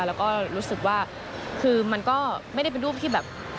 แล้วก็รู้สึกว่าคือมันก็ไม่ได้เป็นรูปที่แบบ